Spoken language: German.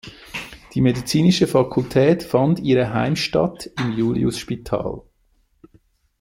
Die Medizinische Fakultät fand ihre Heimstatt im Juliusspital.